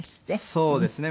そうですね。